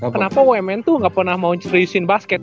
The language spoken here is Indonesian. kenapa wmn tuh gak pernah mau ceriusin basket